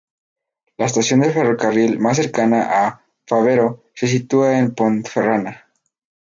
La estación de ferrocarril más cercana a Fabero se sitúa en Ponferrada.